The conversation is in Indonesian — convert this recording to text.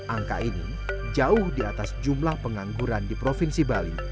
angka ini jauh di atas jumlah pengangguran di provinsi bali